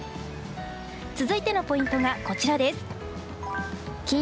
続いてのポイントはこちら。